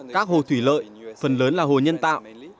các hồ thủy lợi phần lớn là hồ nhân tạo